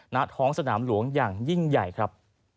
ณท้องสนามหลวงอย่างยิ่งใหญ่ครับ